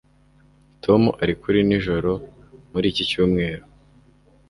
Tom ari kuri nijoro muri iki cyumweru